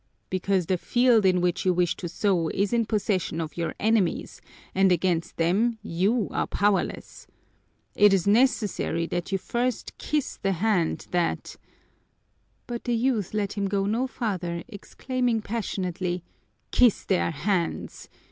"Because the field in which you wish to sow is in possession of your enemies and against them you are powerless. It is necessary that you first kiss the hand that " But the youth let him go no farther, exclaiming passionately, "Kiss their hands!